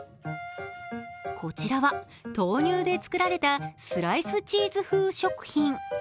こちらは豆乳で作られたスライスチーズ風食品。